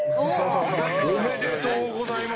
おめでとうございます。